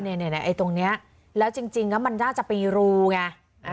เนี่ยไอ้ตรงนี้แล้วจริงมันน่าจะเป็นรูไง